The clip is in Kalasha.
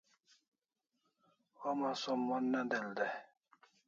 Homa som mon ne del dai